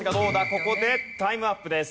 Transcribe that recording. ここでタイムアップです。